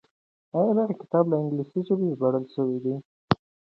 آيا دغه کتاب له انګليسي ژبې ژباړل شوی دی؟